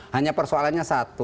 hanya persoalannya satu